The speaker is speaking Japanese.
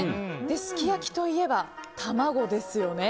すき焼きといえば、卵ですよね。